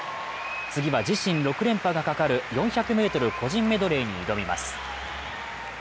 次は自身６連覇がかかる４００ｍ個人メドレーに挑みます。